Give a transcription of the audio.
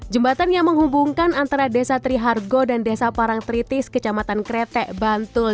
jembatan yang menghubungkan antara desa trihargo dan desa parangtritis kecamatan kretek bantul